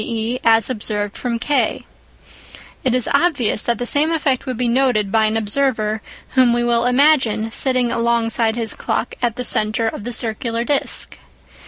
e. as observed from K. It is obvious that the same effect would be noted by an observer whom we will imagine sitting alongside his clock at the centre of the circular disc.